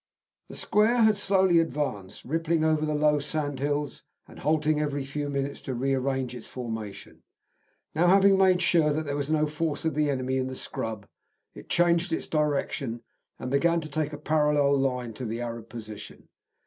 The square had slowly advanced, rippling over the low sandhills, and halting every few minutes to re arrange its formation. Now, having made sure that there was no force of the enemy in the scrub, it changed its direction, and began to take a line parallel to the Arab position.